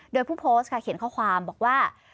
โดยผู้โพสต์ค่ะเขียนข้อความบอกว่า